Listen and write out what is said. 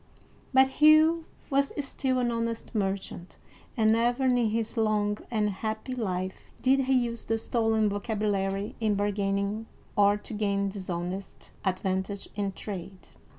But Hugh was still an honest merchant, and never in his long and happy life did he use the stolen vocabulary in bargaining, or to gain dishonest advantage in trade.